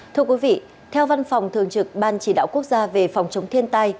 thưa quý vị theo văn phòng thường trực ban chỉ đạo quốc gia về phòng chống thiên tai